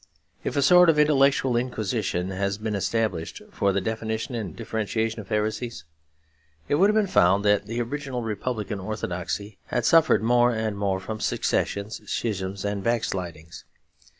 If a sort of intellectual inquisition had been established, for the definition and differentiation of heresies, it would have been found that the original republican orthodoxy had suffered more and more from secessions, schisms, and backslidings.